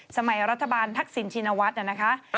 สมัยรัฐบาลทักษิณชินวัฒน์นะคะ